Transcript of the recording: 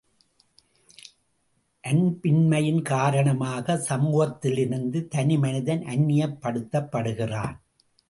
அன்பின்மையின் காரணமாக சமூகத்திலிருந்து தனி மனிதன் அந்நியப் படுத்தப்படுகிறான்.